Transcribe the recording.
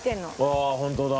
ああホントだ。